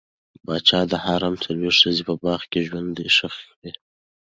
پاچا د حرم څلوېښت ښځې په باغ کې ژوندۍ ښخې کړې.